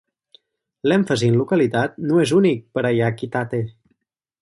L'èmfasi en localitat no és únic per a Yakitate!!